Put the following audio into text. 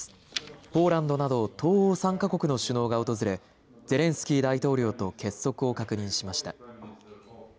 ポーランドなど東欧３か国の首脳が訪れ、ゼレンスキー大統領と結束を確認しました。